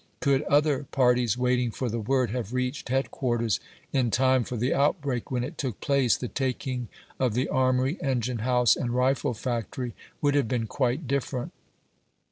Gould other parties, waiting for the word, have reached head quarters, in time for the outbreak when it took place, the taking of the armory, engine house, and rifle factory, would have been quite different.